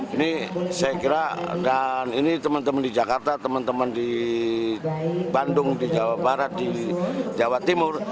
ini saya kira dan ini teman teman di jakarta teman teman di bandung di jawa barat di jawa timur